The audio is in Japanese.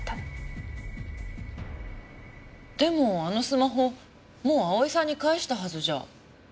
でもあのスマホもう蒼さんに返したはずじゃ？